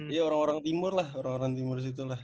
ya orang orang timur lah orang orang timur situ lah